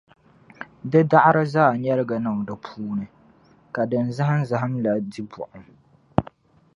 di daɣiri zaa nyɛligi niŋ di puuni, ka din zahimzahim la zaa di buɣim.